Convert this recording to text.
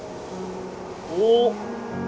おっ！